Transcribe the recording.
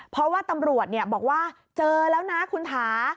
เพราะว่าตำรวจบอกว่าเจอแล้วนะคุณถา